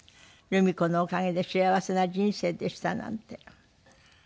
「ルミ子のお陰で幸福な人生でした」なんて。